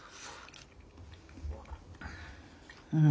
うん。